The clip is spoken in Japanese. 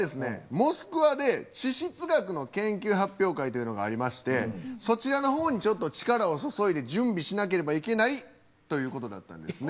モスクワで地質学の研究発表会というのがありましてそちらの方にちょっと力を注いで準備しなければいけないということだったんですね。